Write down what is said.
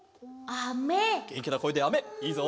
げんきなこえであめいいぞ！